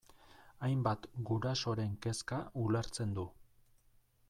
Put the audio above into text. Hainbat gurasoren kezka ulertzen du.